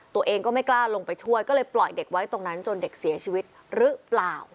ตัวเองก็ไม่กล้าลงไปช่วยก็เลยปล่อยเด็กไว้ตรงนั้นจนเด็กเสียชีวิตหรือเปล่า